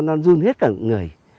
nó run hết cả người